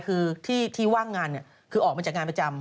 คือที่ว่างงานคือออกมาจากงานประจำ